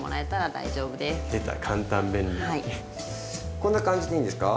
こんな感じでいいんですか？